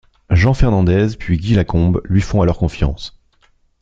Jean Fernandez puis Guy Lacombe lui font alors confiance.